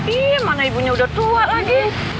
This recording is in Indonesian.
ih mana ibunya udah tua lagi